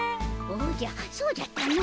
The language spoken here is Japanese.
おじゃそうじゃったの。